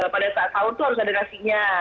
pada saat tahun tuh harus ada nasinya